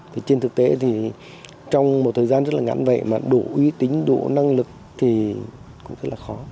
thì trên thực tế thì trong một thời gian rất là ngắn vậy mà đủ uy tính đủ năng lực thì cũng rất là khó